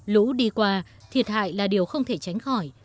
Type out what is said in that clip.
lũ đi qua thiệt hại là điều không thể tránh khỏi